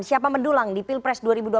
siapa mendulang di pilpres dua ribu dua puluh